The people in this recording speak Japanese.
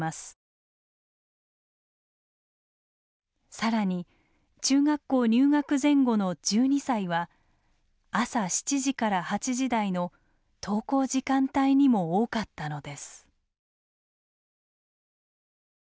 更に中学校入学前後の１２歳は朝７時から８時台の登校時間帯にも多かったのです。